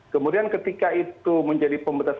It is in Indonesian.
kemudian ketika itu menjadi pembetas